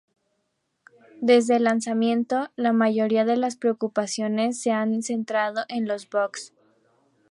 Desde el lanzamiento, la mayoría de las preocupaciones se han centrado en los bugs.